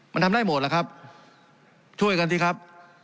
มันทำได้หมดล่ะครับช่วยกันสิครับ